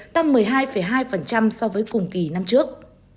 tăng một mươi hai hai so với cùng kỳ năm trước